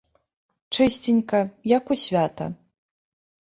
Чысценька, як у свята.